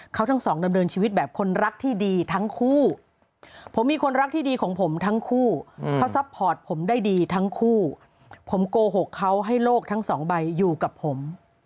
เขาทั้งสองดำเนินชีวิตแบบคนรักที่ดีทั้งคู่ผมมีคนรักที่ดีของผมทั้งคู่เขาซัพพอร์ตผมได้ดีทั้งคู่ผมโกหกเขาให้โลกทั้งสองใบอยู่กับผม